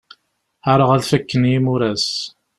Ḥareɣ ad fakken yimuras.